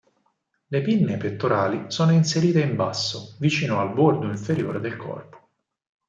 Le pinne pettorali sono inserite in basso, vicino al bordo inferiore del corpo.